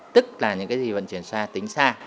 tức là những cái gì vận chuyển xa tính xa